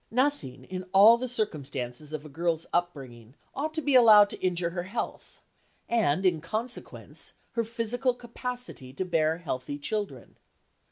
Nothing in all the circumstances of a girl's upbringing ought to be allowed to injure her health, and, in consequence, her physical capacity to bear healthy children.